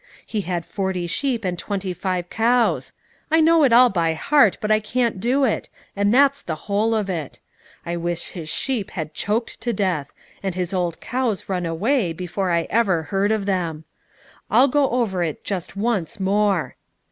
He had forty sheep and twenty five cows. I know it all by heart; but I can't do it, and that's the whole of it. I wish his sheep had choked to death, and his old cows run away, before I ever heard of them. I'll go over it just once more."